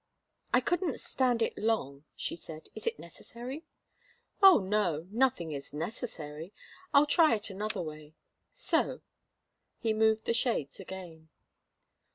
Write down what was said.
"I couldn't stand it long," she said. "Is it necessary?" "Oh, no. Nothing is necessary. I'll try it another way. So." He moved the shades again.